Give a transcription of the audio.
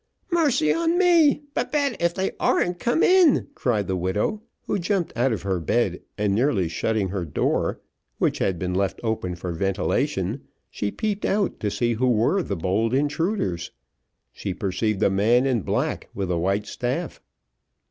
"Mercy on me! Babette, if they arn't come in," cried the widow, who jumped out of her bed, and nearly shutting her door, which had been left open for ventilation, she peeped out to see who were the bold intruders; she perceived a man in black with a white staff.